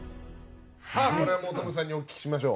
これはトムさんにお聞きしましょう。